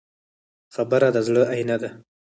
خبره د زړه آیینه ده.